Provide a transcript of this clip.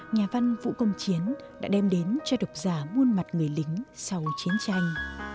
nhà văn vũ công chiến đã đem đến cho độc giả muôn mặt người lính sau chiến tranh